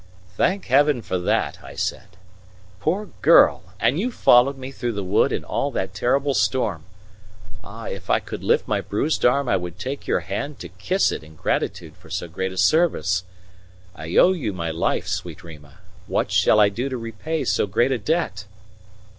"Thank Heaven for that!" I said. "Poor girl! And you followed me through the wood in all that terrible storm! Ah, if I could lift my bruised arm I would take your hand to kiss it in gratitude for so great a service. I owe you my life, sweet Rima what shall I do to repay so great a debt?"